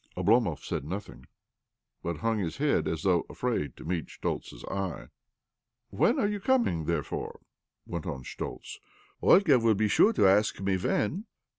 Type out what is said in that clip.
Oblomov said nothing, but hung his head as though afraid to meet Schtoltz's eye. " When are you coming, therefore? " went on Schtoltz. " Olga will be sure to ask me when."